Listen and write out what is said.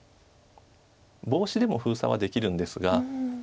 ボウシでも封鎖はできるんですが。